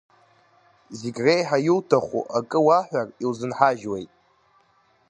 Зегь реиҳа иуҭаху акы уаҳәар иузынҳажьуеит.